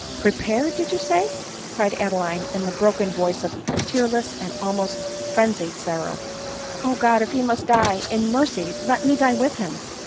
" Prepared ! did you say ?" cried Adeline in the bro ken voice of tearless and almost frenzied sorrow. " O God ! if he must die, in mercy let me die with him.